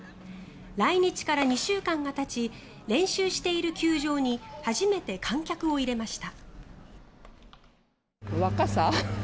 来日から２週間がたち練習している球場に初めて観客を入れました。